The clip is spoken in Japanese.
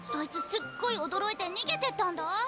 すっごい驚いて逃げてったんだ。